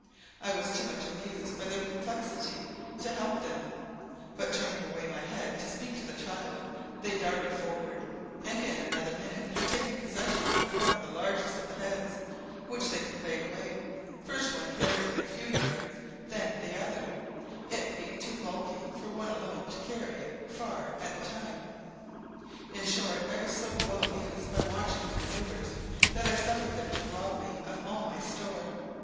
I was too much amused by their perplexity to help them, but turning away my head to speak to the child, they darted forward, and in another minute had taken possession of one of the largest of the heads, which they conveyed away, first one carrying it a few yards, then the other, it being too bulky for one alone to carry it far at a time. In short, I was so well amused by watching their manoeuvres that I suffered them to rob me of all my store.